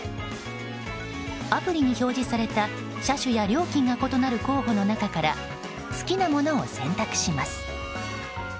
アプリに表示された車種や料金が異なる候補の中から好きなものを選択します。